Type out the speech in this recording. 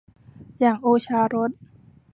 อย่างโอชารส